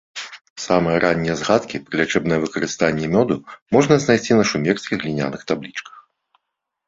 Самыя раннія згадкі пра лячэбнае выкарыстанні мёду можна знайсці на шумерскіх гліняных таблічках.